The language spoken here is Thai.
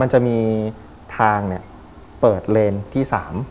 มันจะมีทางเปิดเลนที่๓